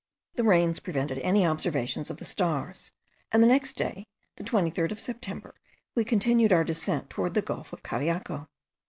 The rains prevented any observations of the stars; and the next day, the 23rd of September, we continued our descent towards the gulf of Cariaco.